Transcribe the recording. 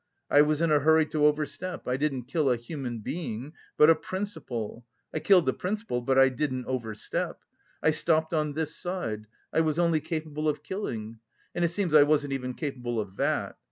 I was in a hurry to overstep.... I didn't kill a human being, but a principle! I killed the principle, but I didn't overstep, I stopped on this side.... I was only capable of killing. And it seems I wasn't even capable of that...